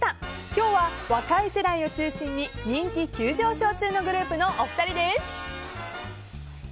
今日は若い世代を中心に人気急上昇のグループのお二人です。